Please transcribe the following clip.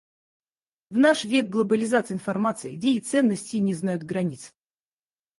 В наш век глобализации информация, идеи и ценности не знают границ.